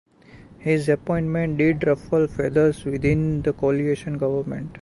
His appointment did ruffle feathers within the coalition government.